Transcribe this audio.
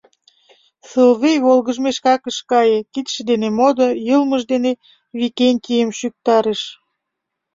Сылвий волгыжмешкак ыш кае, кидше дене модо, йылмыж дене Викентийым шӱктарыш.